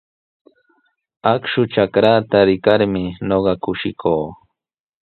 Akshu trakraata rikarmi ñuqa kushikuu.